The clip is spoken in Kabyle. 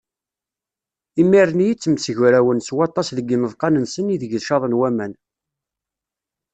Imir-nni i ttemsegrawen s waṭas deg yimeḍqan-nsen ideg caḍen waman.